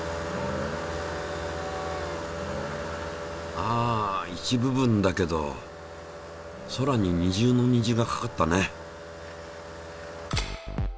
あ一部分だけど空に二重の虹がかかったね。